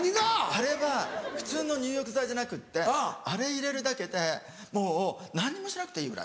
あれは普通の入浴剤じゃなくってあれ入れるだけでもう何にもしなくていいぐらい。